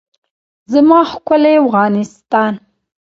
زما ښکلی افغانستان.